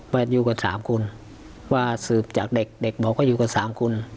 ว่าอยู่กันสามคุณว่าสืบจากเด็กเด็กบอกว่าอยู่กันสามคุณ